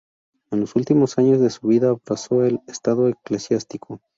En los últimos años de su vida abrazó el estado eclesiástico.